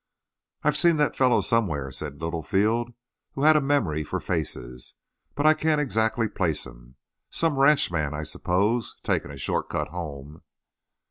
"I've seen that fellow somewhere," said Littlefield, who had a memory for faces, "but I can't exactly place him. Some ranchman, I suppose, taking a short cut home."